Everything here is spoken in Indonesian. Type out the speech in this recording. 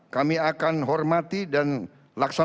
kami akan hormati dan laksanakan